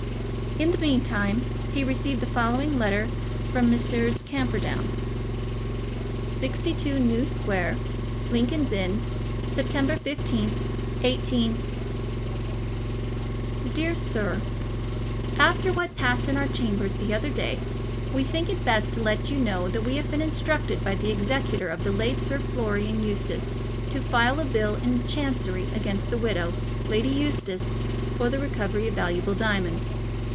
In the meantime he received the following letter from Messrs. Camperdown: 62, New Square, Lincoln's Inn, 15 September, 18 DEAR SIR, After what passed in our chambers the other day, we think it best to let you know that we have been instructed by the executor of the late Sir Florian Eustace to file a bill in Chancery against the widow, Lady Eustace, for the recovery of valuable diamonds.